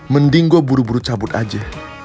mending gue buru buru cabut aja